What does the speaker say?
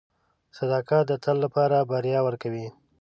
• صداقت د تل لپاره بریا ورکوي.